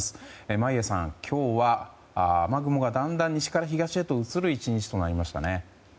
眞家さん、今日は雨雲がだんだん西から東へと移る１日となりましたね。